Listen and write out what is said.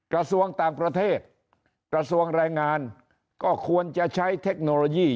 กระทรวงต่างประเทศกระทรวงแรงงานก็ควรจะใช้เทคโนโลยี